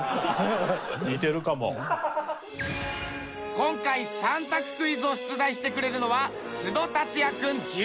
今回３択クイズを出題してくれるのは。